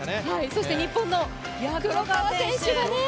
そして日本の黒川選手がね！